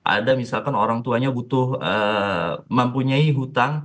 ada misalkan orang tuanya butuh mempunyai hutang